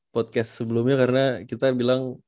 podcast sebelumnya karena kita bilang